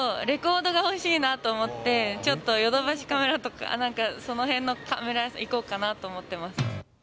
レコードが欲しいなと思って、ちょっとヨドバシカメラとか、なんかそのへんのカメラ屋さん行こうかなと思ってます。